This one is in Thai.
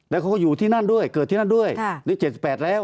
แล้วเขาก็อยู่ที่นั่นด้วยเกิดที่นั่นด้วยนี่๗๘แล้ว